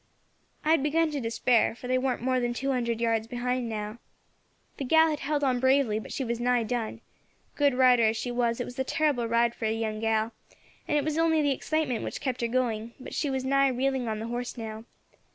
"I had begun to despair, for they warn't more than two hundred yards behind now. The gal had held on bravely, but she was nigh done. Good rider as she was, it was a terrible ride for a young gal, and it was only the excitement which kept her going; but she was nigh reeling on the horse now.